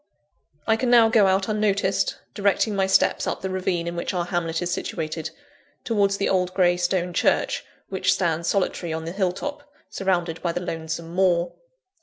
I can now go out unnoticed, directing my steps up the ravine in which our hamlet is situated, towards the old grey stone church which stands solitary on the hill top, surrounded by the lonesome moor.